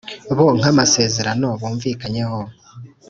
Bo Nk Amasezerano Bumvikanyeho